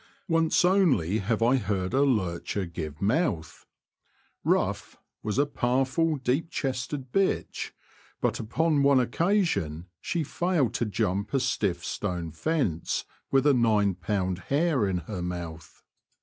Once only have I heard a lurcher give mouth. *' Rough" The Confessions of a Poacher. 63 was a powerful, deep chested bitch, but up on one occasion she failed to jump a stiff, stone fence, with a nine pound hare in her mouth.